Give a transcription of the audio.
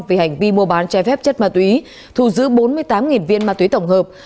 vì hành vi mua bán trái phép chất ma túy thu giữ bốn mươi tám viên ma túy tổng hợp